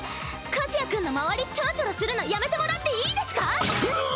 和也君の周りチョロチョロするのやめてもらっていいですか⁉うっ！